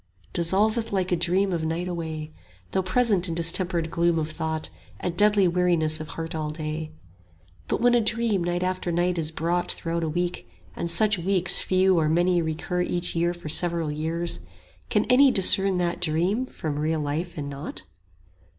Dissolveth like a dream of night away; Though present in distempered gloom of thought And deadly weariness of heart all day. 10 But when a dream night after night is brought Throughout a week, and such weeks few or many Recur each year for several years, can any Discern that dream from real life in aught?